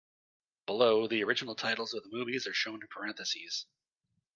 Below, the original titles of the movies are shown in parentheses.